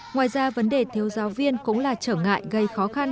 ngoài ra vấn đề thiếu giáo viên cũng là trở ngại gây khó khăn